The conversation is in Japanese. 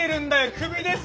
クビです！